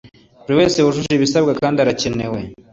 buri wese wujuje ibisabwa kandi arakenewe